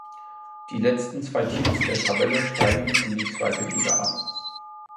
Die letzten zwei Teams der Tabelle steigen in die zweite Liga ab.